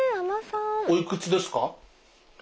おいくつですか？